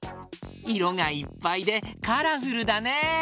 いろがいっぱいでカラフルだね！